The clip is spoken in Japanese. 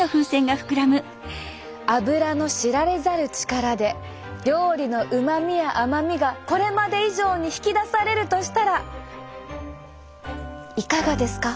アブラの知られざる力で料理の旨味や甘みがこれまで以上に引き出されるとしたらいかがですか？